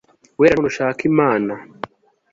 guhera none ushake imana